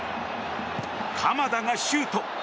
鎌田がシュート。